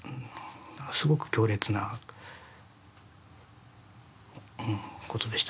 すごく強烈なことでしたね。